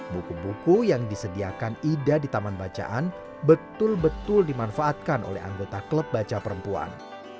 buku buku yang disediakan ida di taman bacaan betul betul dimanfaatkan oleh anggota klub baca perempuan